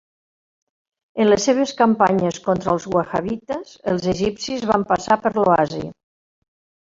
En les seves campanyes contra els wahhabites els egipcis van passar per l'oasi.